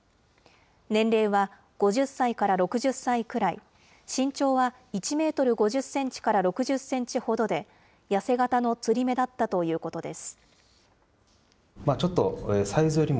年齢は５０歳から６０歳くらい、身長は１メートル５０センチから６０センチほどで、痩せ形のつり目だったということです。